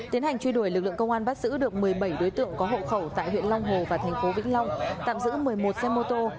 tiến hành truy đuổi lực lượng công an bắt giữ được một mươi bảy đối tượng có hộ khẩu tại huyện long hồ và thành phố vĩnh long tạm giữ một mươi một xe mô tô